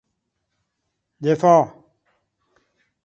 دفاع